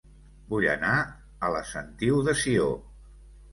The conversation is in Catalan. Vull anar a La Sentiu de Sió